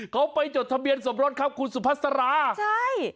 เขาไปจดทะเบียนสมรสครับคุณซุภัสราใช่คุณสุภัสรา